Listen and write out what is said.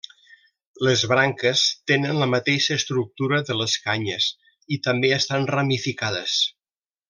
Les branques tenen la mateixa estructura de les canyes i també estan ramificades.